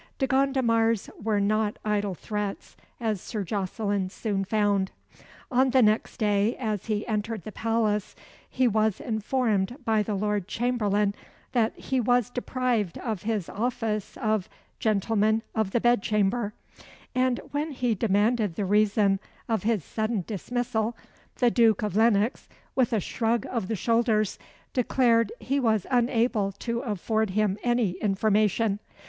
De Gondomar's were not idle threats, as Sir Jocelyn soon found. On the next day, as he entered the palace, he was informed by the Lord Chamberlain that he was deprived of his office of Gentleman of the Bed Chamber; and when he demanded the reason of his sudden dismissal, the Duke of Lennox, with a shrug of the shoulders, declared he was unable to afford him any information.